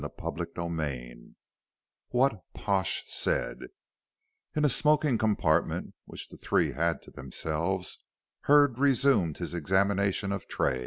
CHAPTER XXIII WHAT PASH SAID In a smoking compartment, which the three had to themselves, Hurd resumed his examination of Tray.